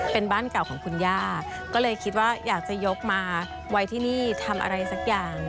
เป็นบ้านเก่าของคุณย่าก็เลยคิดว่าอยากจะยกมาไว้ที่นี่ทำอะไรสักอย่าง